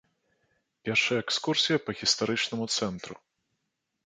Пешая экскурсія па гістарычнаму цэнтру.